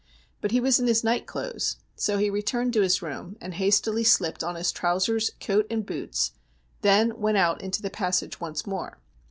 But he was in his night clothes, so he returned to his room, and hastily slipped on his trousers, coat, and boots, then went out into the passage once more.